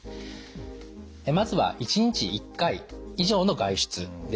まずは「１日１回以上の外出」です。